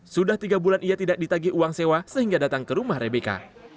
sudah tiga bulan ia tidak ditagi uang sewa sehingga datang ke rumah rebika